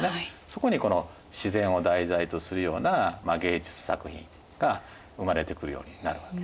そこにこの自然を題材とするような芸術作品が生まれてくるようになるわけですね。